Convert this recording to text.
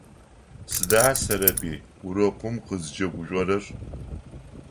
Сыда Сэрэбый урокым къызкӏэгужъорэр?